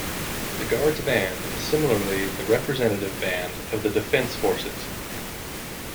The Guards Band is similarly the representative band of the Defence Forces.